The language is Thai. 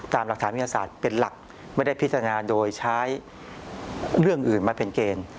ตามหลักฐานวิทยาศาสตร์เป็นหลักไม่ได้พิจารณาโดยใช้เรื่องอื่นมาเป็นเกณฑ์